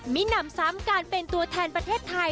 มีหนำซ้ำการเป็นตัวแทนประเทศไทย